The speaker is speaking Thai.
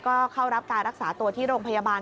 ก็เข้ารับการรักษาตัวที่โรงพยาบาล